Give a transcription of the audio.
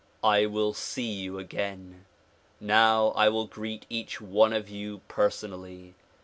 I will see you again. Now I will greet each one of you per sonally.